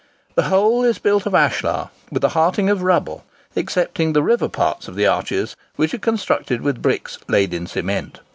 The whole is built of ashlar, with a hearting of rubble; excepting the river parts of the arches, which are constructed with bricks laid in cement.